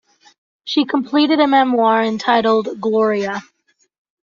She completed a memoir, entitled "Gloria".